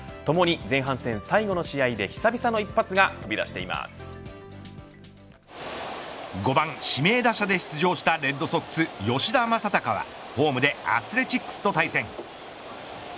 前半戦最後の試合で、久々の５番指名打者で出場したレッドソックス吉田正尚はホームでアスレティックスと対戦。